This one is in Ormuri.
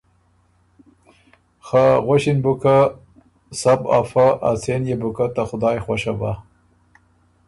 خه غؤݭِن بُو که ”سَۀ بُو افۀ، ا څېن يې بو ته خدایٛ خوشه بۀ“